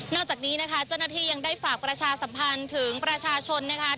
จากนี้นะคะเจ้าหน้าที่ยังได้ฝากประชาสัมพันธ์ถึงประชาชนนะคะ